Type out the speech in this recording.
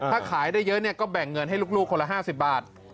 ถ้าขายได้เยอะก็แบ่งเงินให้ลูกคนละ๕๐บาท